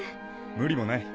無理もない。